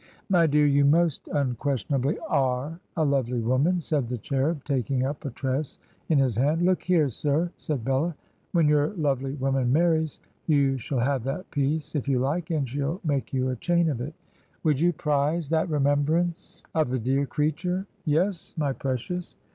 'My dear, you most unques tionably are a lovely woman,' said the cherub, taking up a tress in his hand. ' Look here, sir,' said Bella ;' when your lovely woman marries, you shall have that piece if you like, and she'll make you a chain of it. Would you prize that remembrance of the dear creature?' 'Yes, my precious.'